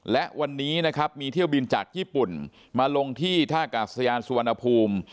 และวันนี้นะครับมีเที่ยวบินจากญี่ปุ่นมาลงที่ท่ากาศยานสุวรรณภูมิ